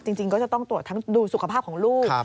จริงก็จะต้องตรวจทั้งดูสุขภาพของลูก